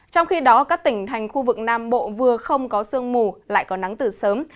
trong khi đó các tỉnh thành khu vực nam bộ vừa không có sương mù lại có nắng từ sớm